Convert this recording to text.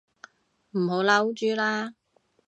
唔好嬲豬啦